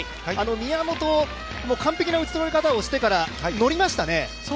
宮本を完璧な打ち取り方をしてから、乗りましたね。